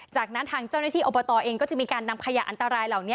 จากนั้นทางเจ้าหน้าที่อบตเองก็จะมีการนำขยะอันตรายเหล่านี้